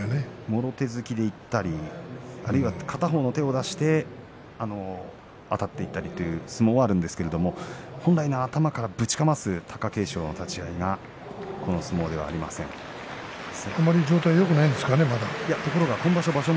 もろ手突きでいったりあるいは片方の手を出してあたっていったりという相撲はあるんですけれども本来の頭からぶちかます貴景勝の立ち合いがあまり状況はただ今場所の場所